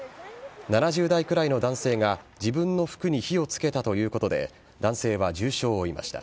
７０代くらいの男性が自分の服に火をつけたということで男性は重傷を負いました。